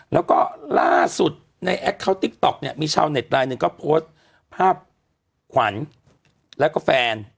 แล้วก็ล่าสุดในแอคเคาน์ติ๊กต๊อกเนี่ยมีชาวเน็ตไลน์หนึ่งก็โพสต์ภาพขวัญแล้วก็แฟน